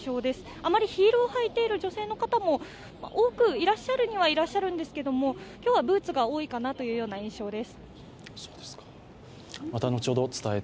あまりヒールを履いている女性の方は、いらっしゃるにはいらっしゃるんですが、今日はブーツが多いかなという印象です。